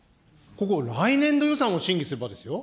ここ来年度予算を審議する場ですよ。